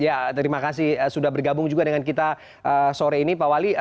ya terima kasih sudah bergabung juga dengan kita sore ini pak wali